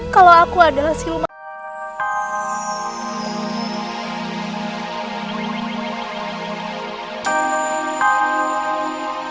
kalau aku adalah siluman ular